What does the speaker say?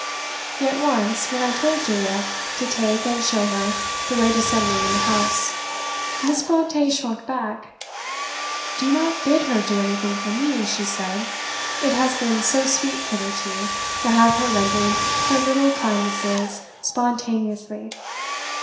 Yet once when I told Julia to take and show her the way to some room in the house, Miss Brontë shrunk back: "Do not BID her do anything for me," she said; "it has been so sweet hitherto to have her rendering her little kindnesses SPONTANEOUSLY."